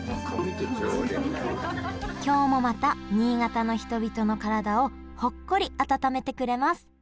今日もまた新潟の人々の体をほっこり温めてくれます